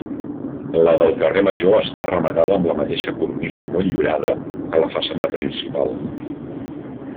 La del carrer Major està rematada amb la mateixa cornisa motllurada que la façana principal.